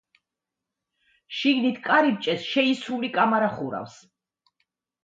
შიგნით კარიბჭეს შეისრული კამარა ხურავს.